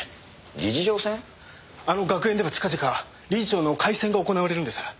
あの学園では近々理事長の改選が行われるんです。